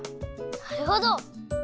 なるほど！